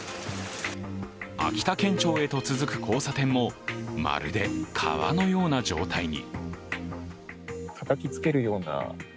秋田県庁へと続く交差点も、まるで川のような状態に。